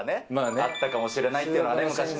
なったかもしれないというのは昔ね。